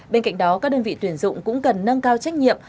bên cạnh đó các đơn vị tuyển dụng cũng cần nâng cao trách nhiệm